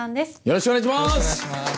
よろしくお願いします。